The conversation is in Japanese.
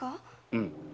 うん。